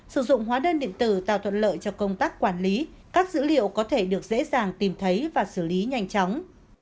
sử dụng hóa đơn điện tử tạo thuận lợi cho công tác quản lý các dữ liệu có thể được dễ dàng tìm thấy và xử lý nhanh chóng